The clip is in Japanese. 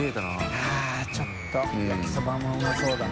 ◆舛ちょっと焼きそばもうまそうだな。